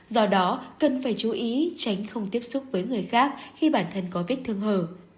do đó cần phải chú ý tránh không tiếp xúc với người khác khi bản thân có vết thương hở